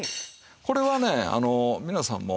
これはね皆さんも。